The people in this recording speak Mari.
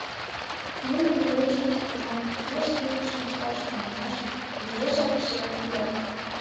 Нунын вуйышкышт тунам еш илышым ышташ шонымаш виешак шеҥын пура.